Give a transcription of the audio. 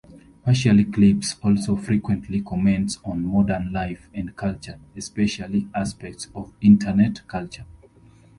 "PartiallyClips" also frequently comments on modern life and culture, especially aspects of Internet culture.